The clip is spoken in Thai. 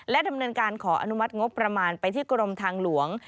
ดำเนินการขออนุมัติงบประมาณไปที่กรมทางหลวง